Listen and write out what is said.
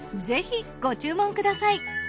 ぜひご注文ください。